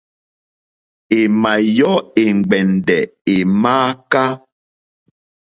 È mà ɲɔ́ è ŋgbɛ̀ndɛ̀ è mááká.